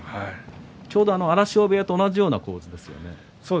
ちょうど荒汐部屋と同じような構図ですよね。